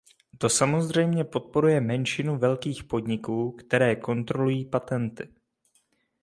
To samozřejmě podporuje menšinu velkých podniků, které kontrolují patenty.